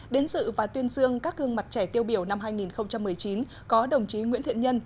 đến sự và tuyên dương các gương mặt trẻ tiêu biểu năm hai nghìn một mươi chín có đồng chí nguyễn thiện nhân